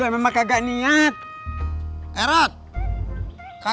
mana ada nicherung kan